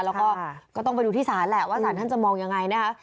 แล้วก็ก็ต้องไปดูที่ศาลแหละว่าสารท่านจะมองยังไงนะคะ